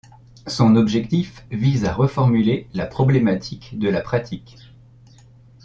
Son objectif vise à reformuler la problématique de la pratique.